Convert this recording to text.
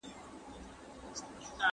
دا جرګه د مهمو مسايلو لپاره جوړيږي.